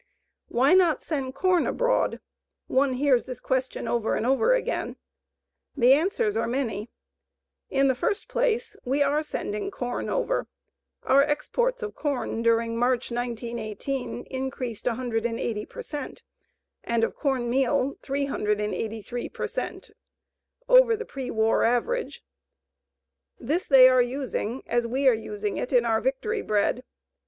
"Why not send corn abroad?" One hears the question over and over again. The answers are many. In the first place, we are sending corn over our exports of corn during March, 1918, increased 180 per cent and of corn meal 383 per cent over the pre war average. This they are using as we are using it in our Victory bread.